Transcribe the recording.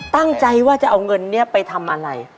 ตั้งใจว่าจะเอาเงินนี้ไปทำอะไร